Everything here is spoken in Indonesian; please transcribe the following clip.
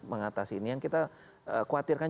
mengatasi ini yang kita khawatirkan